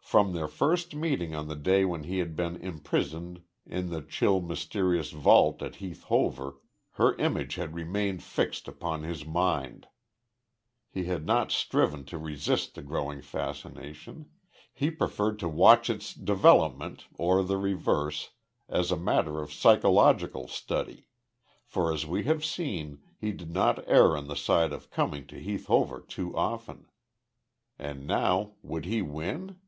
From their first meeting on the day when he had been imprisoned in the chill mysterious vault at Heath Hover, her image had remained fixed upon his mind. He had not striven to resist the growing fascination; he preferred to watch its development or the reverse as a matter of psychological study; for as we have seen, he did not err on the side of coming to Heath Hover too often. And now, would he win?